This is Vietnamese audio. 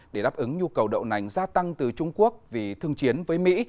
để đáp ứng nhu cầu đậu nành gia tăng từ trung quốc vì thương chiến với mỹ